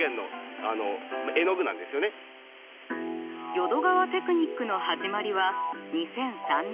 淀川テクニックの始まりは２００３年。